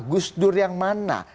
gusdur yang mana